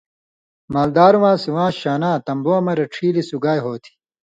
(مالدارواں سِواں شاناں) تمبوں مہ رڇھیلیۡ سُگائ ہو تھی۔